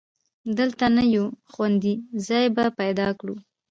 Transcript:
دلته نه، یو خوندي ځای به پیدا کړو.